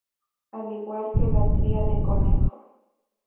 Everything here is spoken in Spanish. Al igual que la cría de conejo.